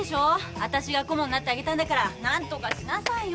わたしが顧問なってあげたんだから何とかしなさいよ。